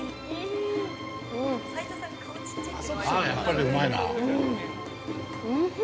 ◆やっぱりうまいな。